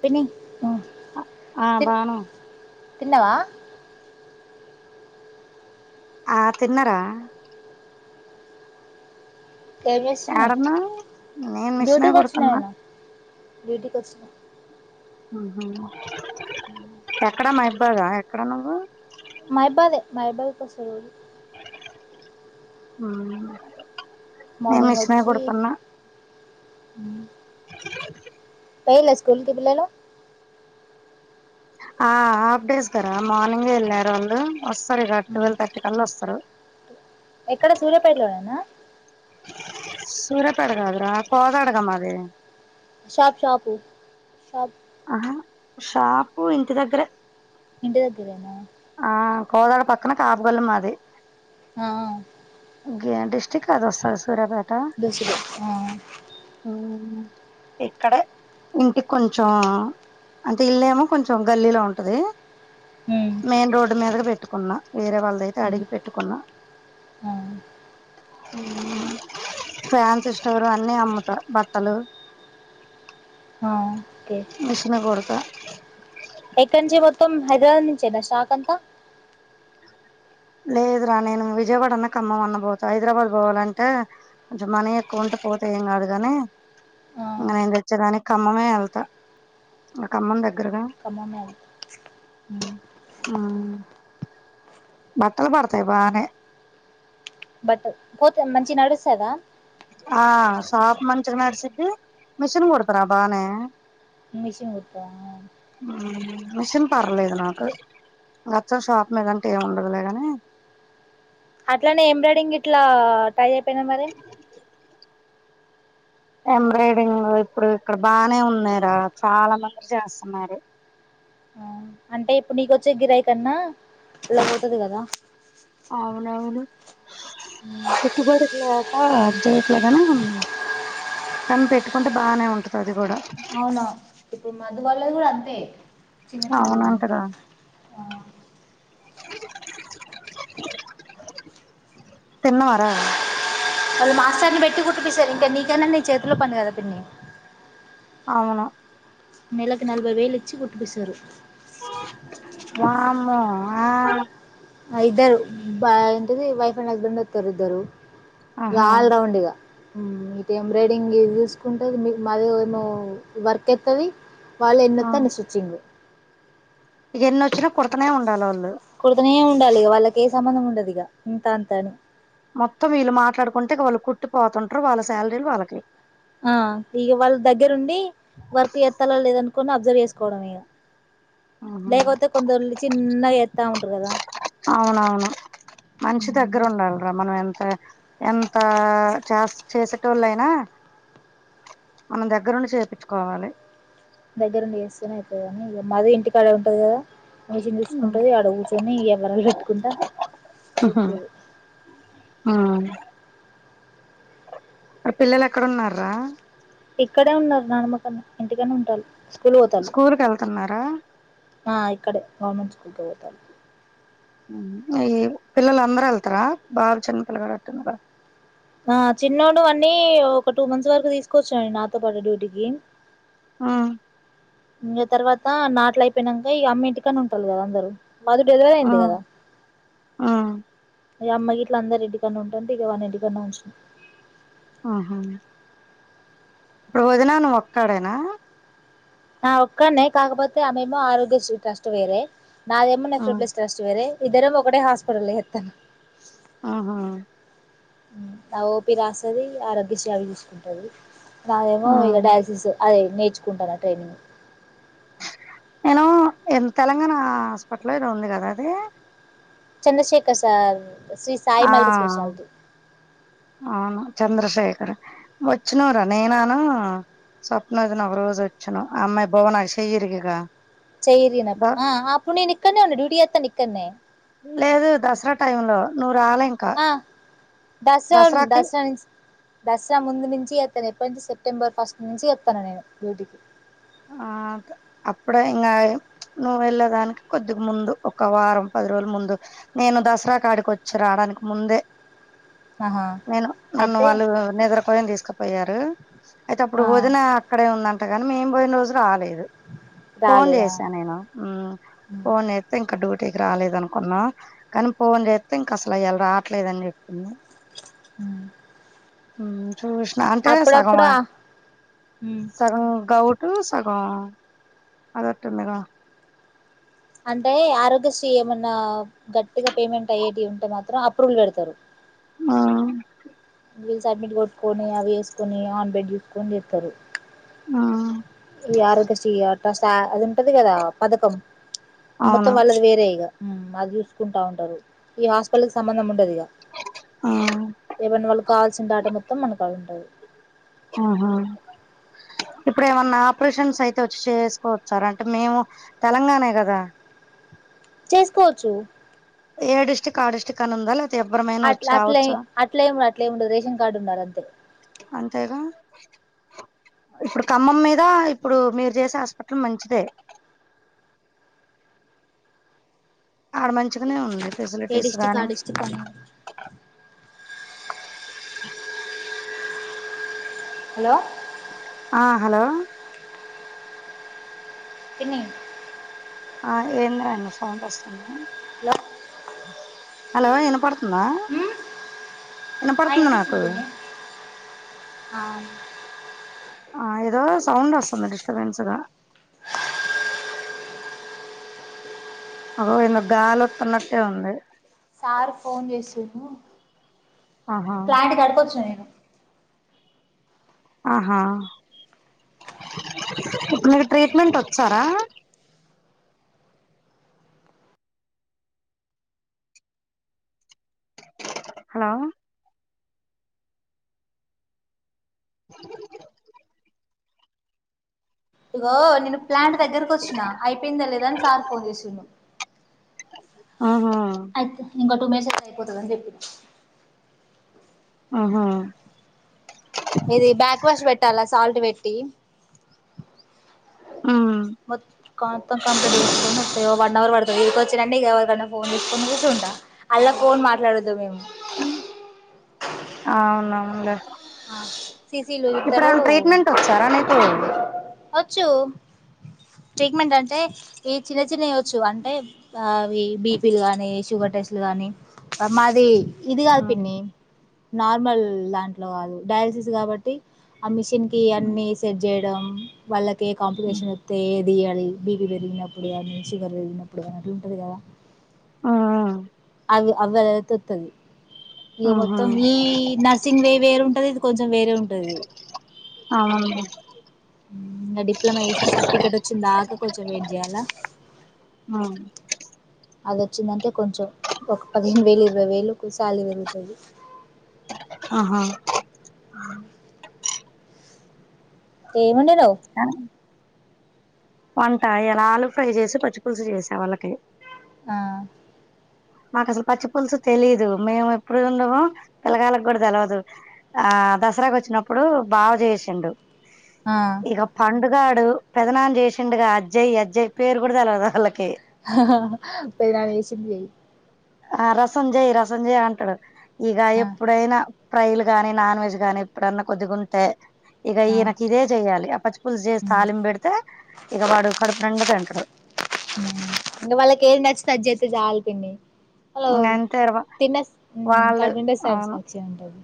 పిన్నీ ఆ ఆ బాను తిన్నవా ఆ తిన్నారా ఏమ్ చేస్తున్నావ్ ఏడున్నావ్ నేను మిషనే డ్యూటీకి వచ్చన కుడుతున్నా నేనూ డ్యూటీ కచ్చిన హహ హ ఎక్కడ మా మహిబ్బాగా ఎక్కడ నువ్వు [unintelligible] [unintelligible] కసరుంది హ నేను మార్నింగ్ మిశనే కొడతన్నా హ పైల స్కూల్కి పిల్లలు ఆ హాఫ్ డేస్ గారా మార్నింగ్ వెళ్ళారు అండీ వస్తారు ఇక ట్వెల్వ్ థర్టీ కల్లా వస్తారు ఎక్కడ సూర్యపేటలోనేనా సూర్యాపేట కాదురా కోదడా గ మాది షాపు షాపు ష ఆహా షాపు ఇంటి దగ్గరె ఇంటి దగ్గరేనా ఆ కోదాడ పక్కన కాపుగల్లి మాది ఆ కా దస్తది సూర్యాపె దసలు ఆ ఇక్కడ ఇంటికి కొంచెం అంటే ఇల్లేమో కొంచెం గల్లీలో ఉంటది ఉమ్ మెయిన్ రోడ్ మీదగా పెట్టు కున్నా వేరే వాళ్ళైతే ఉమ్ అడిగి పెట్టుకున్న ఆ ఫాన్సీ స్స్టోర్ అన్ని అమ్ముతా బట్టలు ఆ ఓకే మిషన్ కోడెత్ ఎక్కడ నుంచి మొత్తం హైదరాబాద్ నుంచి నా షాక్ అంతా లేదురా నేను విజయవాడ అన్న ఖమ్మం అన్న పోతా, హైదరాబాద్ పోవాలంటే కొంచెం మనీ ఎక్కువ ఉంటే పోతా ఏం కాదుగాని, ఆ ఇంక నేను తెచ్చేదానికి ఖమ్మమే వెళ్తా ఇక ఖమ్మం దగ్గర కమ్మమే మ్ బట్టలు పడతాయి బానే బట్ పోతే మంచిగా నడుస్తదా ఆ షాప్ మంచిగా నడ్సద్ది మిషిన్ కుడతార బానే మిషన్ కుట్టుతవ మెషీన్ పర్లేదు నాకు అచం షాప్ మీదంటే ఏం ఉండదులేగాని అట్లానే ఎంబ్రాయిడింగ్ ఇట్లా ట్రై చేయిపోయినవు మరి ఎంబ్రాయిడింగ్ ఇప్పుడు ఇక్కడ బానే ఉన్నార చాలా మంది చేస్తున్నారు. అంటే ఇప్పుడు నీకొచ్చే గిరాయి కన్నా ఇలాపోతది కదా అవును అవును ఇటు బాడీలు లేక జయం గానే కని పెట్టుకుంటే బాగానే ఉంటుది అది కూడా అవునా ఇప్పుడు మధు వల్లి కూడా అంతే చిన్న చిన్నవాన్ని అవునంటగా తిన్నవారా వాళ్ళు మాస్టర్ని పెట్టి కుట్టిపిస్తారు ఇంకా నీకన్నా నీ చేతిలో పని కదా పిన్ని అవునా నెలకు నలభై వేలు ఇచ్చి కుట్ బిస్తారు వామ్మో ఆ ఇద్దరు బా ఎంటది వైఫ్ అండ్ హస్బెండ్ వస్తరు ఇద్దరు ఇగ ఆహా ఆల్ రౌండ్ ఇగా ఉమ్ ఇది ఎంబ్రాయిడింగ్ ఇది తీసుకుంటది మళ్ళీ ఏమో వర్క్ అయితది వాళ్ళు ఎన్నోతే అన్ని స్టిట్చింగ్ ఇగ ఎన్ని వచ్చిన కుడుతునే ఉండాలీ వాళ్ళు కుడుతనే ఉండాలి ఇగ వాళ్ళకె సంబంధం ఉండదిగా ఇంత అంతని మొత్తం వీళ్ళు మాట్లాడుకుంటే వాళ్ళు కుట్టిపోతుంటరు వాళ్ళ శాలరీలు వాళ్ళకి ఆ ఇగ వాళ్ళ దగ్గరుండి వర్క్ చేతల లెదని కొన్ని అబ్జర్వ్ చేసుకోవడం ఇగ ఆహా లేకపోతే కొందరు చిన్నగా ఎత్తా ఉంటారు కదా అవునవును మనిషి దగ్గర ఉండాలరా మనం ఎంత ఎంత చేస్ చేసేటోలు అయినా మనం దగ్గరుండి చేపించుకోవాలి దగ్గరుండి చేస్తేనే అయితదనీ ఇక మధు ఇంటికాడే ఉంటది కదా మెషీన్ ఉమ్. చూసుకుంటుంది ఆడ కూర్చొని యవ్వరాలు పెట్టుకుంటా చేతది ఆ మరి పిల్లలు ఎక్కడున్నార్రా ఇక్కడే ఉన్నారు నానమకన్నా ఇంటికానే ఉంటాలు స్కూల్ కి వెళ్తున్నారా ఆ ఇక్కడే గవర్నమెంట్ స్కూల్ కే పోతాలు ఉంహు ఈ పిల్లలు అందరు వెళ్తారా బాబు చిన్న పిల్లగాడు అంటున్నావ్ కదా ఆ చిన్నోడు అన్నీ ఒక టూ మంత్స్ వరకు తీసుకొచ్చాండి నాతో పాటు డ్యూటీకి ఉమ్ ఇంగ తర్వాత నాట్లయిపోయినంక ఇగ అమ్మ ఇంటికన్నె ఉంటరు కదా అందరు మధు డెలివరీ ఆ అయింది కదా ఆ ఇగ అమ్మ గిట్ల అందరు ఇంటి కాడనే ఉంటుంటే ఇగ వాన్ని ఇంటికాడనే ఉంచిన ఆహా ఇప్పుడు వదిన నువ్వు ఒక్కడేనా ఆ ఒక్కనే కాకపోతే ఆమెమో ఆరోగ్య శ్రీ ట్రస్ట్ వేరే నాదేమో ఆ మెట్రో ప్లేస్ ట్రస్ట్ వేరే ఇద్దరం ఒకటె హాస్పిటల్ లో చేతనం ఆహా ఉమ్ ఆ ఓపి రాస్తది ఆరోగ్య శ్రీ అవి చుసుకుంటది నాదేమో ఆ ఇగ డయాసిస్ అది నేర్చుకుంటన్న ట్రైనింగ్ నేను ఎం తెలంగాణ హాస్పిటల్ ఏదో ఉంది కదా అది చంద్రశేఖర్ సార్ శ్రీ సాయి ఆ మల్టీ స్పెషాలిటీ అవును చంద్రశేఖర్ వచ్చిననురా నేనాను స్వప్న వదిన ఒక రోజు వచ్చినాము ఆ అమ్మాయి భువన చెయ్యరిగిగా చెయ్యి ఇరిగినప్పుడు అప్పుడును ఇక్కనే ఇంటి డ్యూటీ చేస్ ఇక్కడనే లేదు దసరా టైం లో నువ్వు రాలే ఇంకా ఆ దసర్ దసరాకి దస దసరా ముందు నుంచి చేతన ఎప్పటి నుంచి సెప్టెంబర్ ఫస్ట్ నుంచి చెస్తాను నేను డ్యూటీ ఆ అప్పుడే ఇంకా నువ్వు వెళ్ళేదానికి కొద్దిగా ముందు ఒక వారం పది రోజుల ముందు నేను దసరా కాడికి వచ్చి రావడానికి ముందే ఆహా నేను నన్ను అయితే వాళ్ళు నిద్ర పో తీసుకు పోయారు అయితే అప్పుడు ఆ వదిన అక్కడే ఉందన్ మేము పోయిన రోజు రాలేదు ఫోన్ రాలేదా చేసాను నేను ఉ ఫోన్ చేస్తే డ్యూటీ ఇటీకి రాలేదు అనుకున్నా కానీ పోన్ చేస్తే ఇంక అసలు ఇయాల రావట్లేదని చెప్పింది ఉ ఊ చూసిన అంటే సగమా సగం గౌడ్ టూ సకం అది [unintelligible] అంటే ఆరోగ్యశ్రీ ఏమన్నా గట్టిగా పేమెంట్ అయ్యేటి ఉంటే మాత్రం అప్రూవల్ పెడతారు ఆ వీళ్ళు సడ్మిట్ కొట్టుకొని అవి వేసుకొని ఆన్ బెడ్ చూసుకొని చెస్తారు ఊ ఈ ఆరోగ్య శ్రీ అది ఉంటది కదా పథకం మొత్తం అవును వాళ్ళది వేరే ఇగ అది చూసుకుంటా ఉంటారు ఈ హాస్పిటల్ కు సంబంధం ఉ ఉంటది మ్ ఏమనా వాళ్ళు కావాల్సిన డేటా మొత్తం మనకాడా ఉంటది కదా ఆహ ఇప్పుడు ఏమన్నా ఆపరేషన్స్ అయితే వచ్చి చేసుకోవచ్చారా అంటే మేము తెలంగాణ కదా చేసుకోవచ్చు ఏ డిస్ట్రిక్ట్ కి ఆ డిస్ట్రిక్ట్ అని ఉందా లేక అట్ అట్ల అట్లా ఏముండ అట్ల ఏముండదు రేషన్ కార్డు ఉండాలా అంతే అంతేగా ఇప్పుడు ఖమ్మం మీద ఇప్పుడు మీరు చేసే హాస్పిటల్ మంచిదే ఆడ మంచిగానే ఉంది ఏ ఫెసిలిటీస్ డిస్ట్రిక్ట్ ఆ గానీ డిస్ట్రిక్ట్ అని హలో ఆ హలో పిన్ని ఆ ఏంద రండి సౌండ్ వస్తుంది హలో హలో ఇనపడుతుంద ఉమ్ ఆ ఇనుపడుతుందీ నాకు అవు ఆ ఏదో సౌండ్ వస్తుంది డిస్టర్బెన్స్ గా అదో ఇంద గాలిొస్తున్నట్టే ఉంది సార్ ఫోన్ చేసిరు ఆహా ప్లాంట్ కడుపవచ్చు నేను ఆహా మీరు ట్రీట్మెంట్ వచ్చారా హలో [inaudible] ఓ నేను ప్లాంట్ దగ్గరకు వచ్చిన అయిపోయిందా లేదాని సార్ ఫోన్ చేసిండు ఆహా అయితే ఇ తుమేస్తే [inaudible] అనీ చెప్పిండు ఆహా ఇది బ్యాక్ వాష్ పెట్టాలా సాల్ట్ పెట్ టీ ఉమ్ కొంత కంపెనీ ఫోన్ వస్తాయి వన్ అవర్ పడుతుంది ఇదిక వచ్చి అండి ఇక ఎవరికనా ఫోన్ తీసుకని చూసి ఉంటాం అలా ఫోన్ మాట్లాడొదు మేము అవునా అ ససీలు ఇతారు ట్రీట్మెంట్ వచ్చారా నీకు వచ్చు ట్రీట్మెంట్ అంటే ఈ చిన్న చిన్నవియ్వచ్చు అంటే అవి బీపీలు కానీ షుగర్ టెస్ట్లు కానీ మాది ఇది కాదు ఉమ్ పిన్ని నార్మల్ లాంంటి కాదు డయాలసిస్ కాబట్టి ఆ మిస్ ఇంకా ఇ అన్నీ సెట్ చే వల్ల ఉమ్ కాంపిటీషన్ అతే తీయాలి బీపీ పెరిగినప్పుడు కానీ షుగర్ పెరిగినప్పుడు కానీ అట్లా ఉంటుంది కదా ఆ అవి అ వెళతుతది ఇక ఉహు మొత్తం ఈ నర్సింగ్ వే వేరే ఉంటది ఇది కొంచెం వేరే ఉంటది అవును ఇకా డిప్లొమా చేసిన సర్టిఫికెట్ వచ్చింది దాకా కొంచెం వెయిట్ చేయాలా ఉమ్ అది వచ్చిందంటే కొంచెం ఒక పదిహేను వేలు ఇరవై వేలు కొ సాలరీ పెరుగుతది ఆహా అ ఏ ఉండ్ ఆ వంట ఇయ్యలా ఆలు ఫ్రై చేసి పచ్చి పులుసు చేసా వాళ్ళకి ఆ మాకు అసలు పచ్చి పులుసు తెలీదు మేము ఎప్పుడు ఉండమె పిల్లగల్లాకు కూడా తెలవదు ఆ దసరాకి వచ్చినప్పుడు బావా చేసిండు. ఆ ఇగ పండు గాడు పెద్దనాన చేసిండుగా అజ్జయ్ అజ్జయ్ పేరు కూడా తెలవదు వాళ్ళక్ పెద్దనాన చేసింది చెయ్ ఆ రసంజయ్ రసంజయ్ అంటడు. ఇగ ఆ ఎప్పుడైనా ఫ్రైలు గాని నాన్ వెజ్ గాని ఎప్పుడన్నా కొద్దిగా ఉంటే ఇగ ఆ ఈయనకి ఇదే చెయ్యాలి ఆ పచ్చి పులుసు చేస్ మ్ తాలిం పెడితే ఇగ వాడు కడుపు నిండ తింటడు. మ్ ఇంగ వాళ్ళకి హలో తిన్న హ్మ్ వాళ్ళు కడుపు నిండా అవును సాటిస్ఫాక్షనే ఉంటది.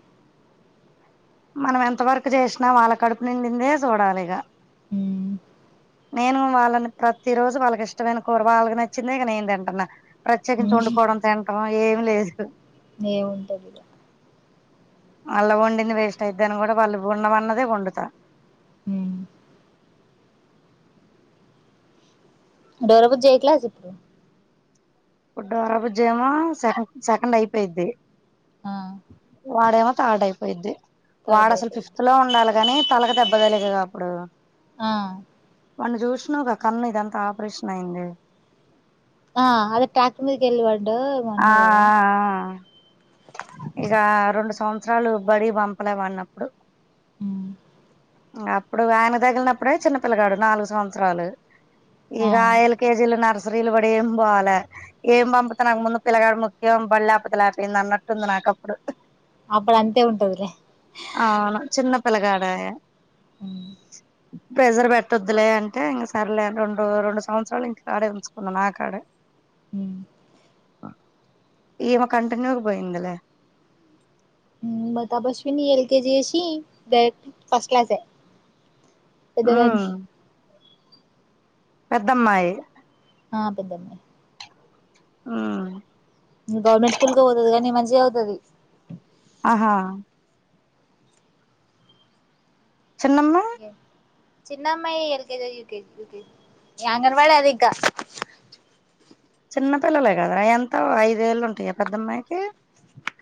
మనం ఎంత వరకు చేసినా వాళ్ళ కడుపు నిండిందే చూడాలిగా హ్మ్ నేను వాళ్ళని ప్రతి రోజు వాళ్ళ కిష్టమైన కూర వాళ్ళక్ నచ్చిందే ఇగ నేను తింటున్నా. ప్రత్యేకించి వండుకోవడం తింటం. ఏమి లేదు ఏముంటది ఇగ మళ్ళ వండింది వేస్ట్ అయిద్దని కూడా వాళ్ళు వండమన్నదే వండుతా హ్మ్ డోరాబుజ్జి ఎ క్లాస్ ఇప్పుడు ఇప్పుడ్డు డోరాబుజ్జి ఏమో సెకండ్ సెకండ్ అయిపోయిద్ది. ఆ వాడేమో థర్డ్ అయిపోయిద్ది. వాడు థర్డ్ అసలు ఫిఫ్త్ అయిపోయిద్ది లో ఉండాలి. గాని తలక్ దెబ్బదలిగేగా అప్పుడు ఆ మొన్న చూసినావ్ గ కన్ను మీద ఇదంతా ఆపరేషన్ అయింది. ఆ అదే టాక్ మీద కెళ్లి పడ ఆ ఆ ఆ ఆ ఇగ రెండు సం వస్త్రాలు బడికి పంపలేం అనప్పుడు హ్మ్ అప్పుడు వానికి తగిలినప్పుడే చిన్న పిల్గాడు నాలుగు సంవత్సరాలు ఆ ఇగా అయిల్ కేజీలు నర్స్ నిలబడి ఏం పోవాలే ఎమ్ పంపుత నాకు ముందు పిల్లగాడు ముఖ్యం బళ్ళే లేకపోతే లేకపోయింది. అన్నట్టుంది నాకప్పుడు అప్పుడు అంతే ఉంటదిలే అవును చిన్న పిల్లగాడాయే హ్మ్ ప్రెజర్ పెట్టొద్లే అంటే ఇంక సరలే రెండు రెండు సంవత్సరాలు ఇంకా కాడ ఉంచుకున్నా నా కాడే హ ఈమ కంటిన్యూ పోయిందలే మ తబస్విని ఎల్కజీసి డైరెక్ ఫస్ట్ క్లాస్ ఎదవ ఉమ్ పెద్దమ్మాయి ఆ పేదమయి ఉ గవర్నమెంట్ స్కూల్ కౌ పోతుది కానీ మంచిగా చదువుతుది ఆహా చిన్నమ్మా చిన్నమ్మాయి ఎల్ కజీ యూకేజ యకేజ అంగ వాడి అదికా చిన్నపిిల్లలే కదా అవి ఎంత ఐదేళ్లు ఉంటాయి పెద్దమ్మాయికి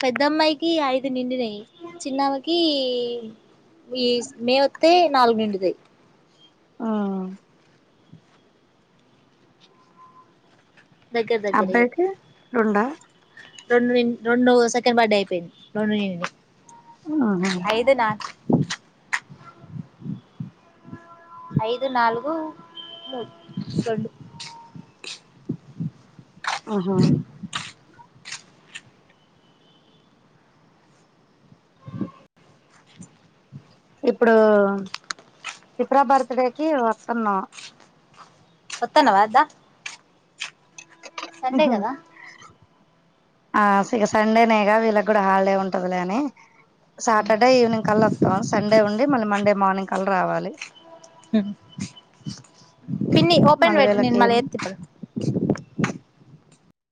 పెద్దమ్మాయికి ఐదు నిండినయ చిన్నామకి ఈ మే వతే నాలుగు నిండుతాయి ఆ దగ్గర దగ్గర ఇగ అబ్బాయికి రెండా రెండు రెండు సెకండ్ బర్త్డే అయిపోయింది రెండు నిన్ ఆహా ఐదు నా ఐదు నాలుగు ము రెండు ఆహా ఎప్పుడూ ఇప్పుడు చిత్ర బర్త్ డేకిి వస్తున్నాం ఓత్తనవా అద్దా ఆహా ఆ సండేనేగా వీళ్ళకి కూడా హాలిడే ఉంటదులేని సాటర్డే ఈవినింగ్ కల్లా వస్తాం సండే ఉండి మళ్ళీ మండే మార్నింగ్ కలా రావాలి హ పిన్ని ఓపెన్ మళ్ళీ వెేట ని వీళ్ళకి మలే ఎత్తిట